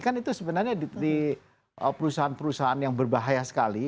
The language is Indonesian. kan itu sebenarnya di perusahaan perusahaan yang berbahaya sekali